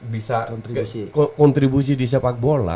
bisa kontribusi di sepak bola